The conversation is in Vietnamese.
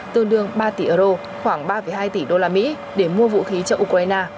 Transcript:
tương đương ba tỷ euro khoảng ba hai tỷ usd để mua vũ khí cho ukraine